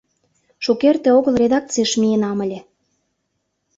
Шукерте огыл редакцийыш миенам ыле.